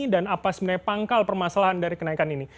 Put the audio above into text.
dan apa sebenarnya pangkal permasalahan dari kenaikan ini